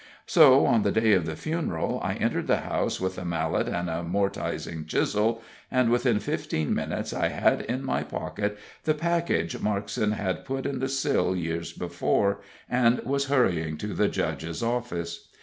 So, on the day of the funeral, I entered the house with a mallet and a mortizing chisel, and within fifteen minutes I had in my pocket the package Markson had put in the sill years before, and was hurrying to the judge's office.